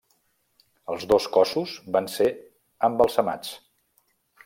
Els dos cossos van ser embalsamats.